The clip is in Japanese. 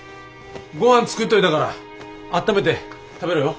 ごはん作っといたからあっためて食べろよ。